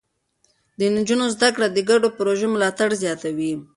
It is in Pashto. د نجونو زده کړه د ګډو پروژو ملاتړ زياتوي.